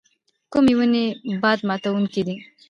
کومې ونې باد ماتوونکي دي؟